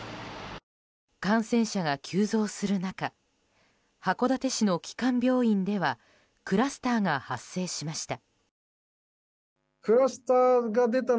感染者が急増する中函館市の基幹病院ではクラスターが発生しました。